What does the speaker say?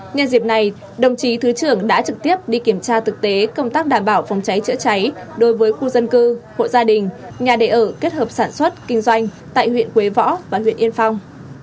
nhân dịp này đồng chí thứ trưởng đã trực tiếp đi kiểm tra thực tế công tác đảm bảo phòng cháy chữa cháy đối với khu dân cư hộ gia đình nhà đề ở kết hợp sản xuất kinh doanh tại huyện quế võ và huyện yên phong